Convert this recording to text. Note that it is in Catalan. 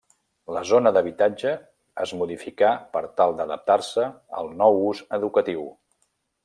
La zona d'habitatge es modificà per tal d'adaptar-se al nou ús educatiu.